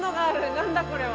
何だこれは。